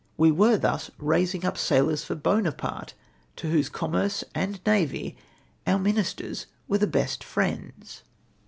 We were thus raising up sailors for Buonaparte, to wJtose commerce and navy our ministers loere the best friends.